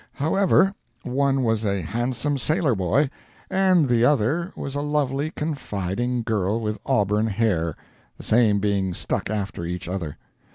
However, one was a handsome sailor boy, and the other was a lovely, confiding girl with auburn hair—the same being stuck after each other.